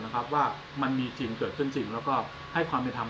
นะครับว่ามันมีจริงเกิดขึ้นจริงแล้วก็ให้ความในทำ